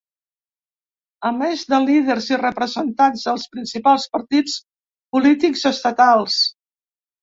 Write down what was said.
A més de líders i representants dels principals partits polítics estatals.